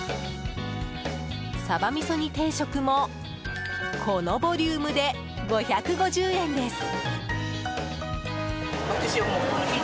サバみそ煮定食もこのボリュームで５５０円です。